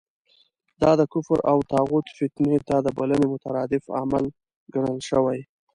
دا د کفر او طاغوت فتنې ته د بلنې مترادف عمل ګڼل شوی.